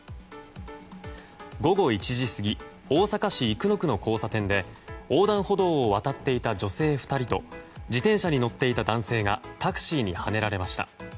午後１時過ぎ大阪市生野区の交差点で横断歩道を渡っていた女性２人と自転車に乗っていた男性がタクシーにはねられました。